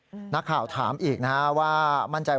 หรือนักข่าวถามอีกนะว่า